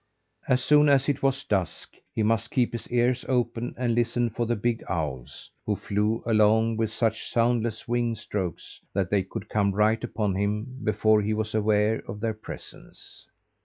As soon as it was dusk, he must keep his ears open and listen for the big owls, who flew along with such soundless wing strokes that they could come right up to him before he was aware of their presence.